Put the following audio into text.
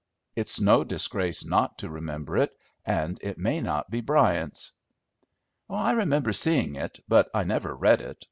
It's no disgrace not to remember it, and it may not be Bryant's." "I remember seeing it, but I never read it.